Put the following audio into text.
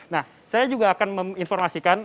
nah saya juga akan menginformasikan